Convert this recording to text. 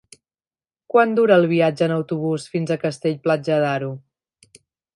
Quant dura el viatge en autobús fins a Castell-Platja d'Aro?